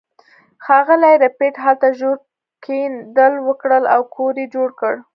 ښاغلي ربیټ هلته ژور کیندل وکړل او کور یې جوړ کړ